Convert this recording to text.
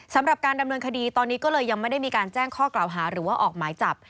สำหรับการดำเนินคดีตอนนี้ก็เลยยังไม่ได้มีการแจ้งข้อกล่าวหาหรือว่าออกหมายจับ